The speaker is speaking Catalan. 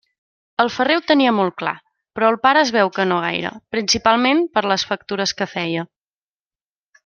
El ferrer ho tenia molt clar, però el pare es veu que no gaire, principalment per les factures que feia.